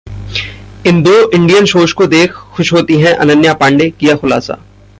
इन दो Indian shows को देख खुश होती हैं अनन्या पांडे, किया खुलासा